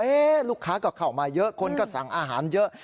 ลูกค้าก็เข้ามาเยอะคนก็สั่งอาหารเยอะ